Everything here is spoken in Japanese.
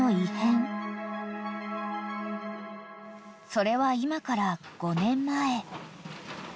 ［それは今から５年前］